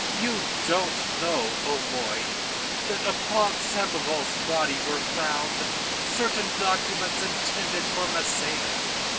"You don't know, O'Moy, that upon Samoval's body were found certain documents intended for Massena.